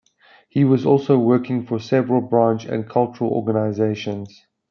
He was also working for several branch and cultural organisations.